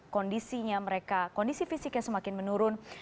kondisinya mereka kondisi fisiknya semakin menurun